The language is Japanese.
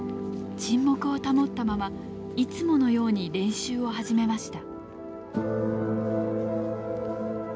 沈黙を保ったままいつものように練習を始めました。